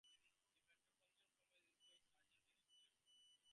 The metropolitan province includes the suffragan diocese of Clifton and Shrewsbury.